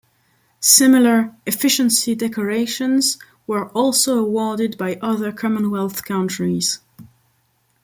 Similar Efficiency Decorations were also awarded by other Commonwealth countries.